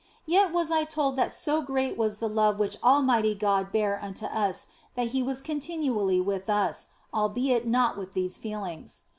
Yet was I told that so great was the love which Almighty God bare unto us that He was continually with us, albeit not with these feelings.